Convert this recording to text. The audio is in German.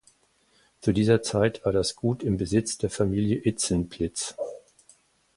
Zu dieser Zeit war das Gut im Besitz der Familie Itzenplitz.